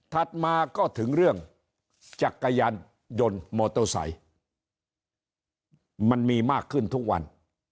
มาก็ถึงเรื่องจักรยานยนต์มอเตอร์ไซค์มันมีมากขึ้นทุกวัน